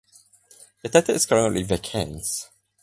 The title is currently vacant.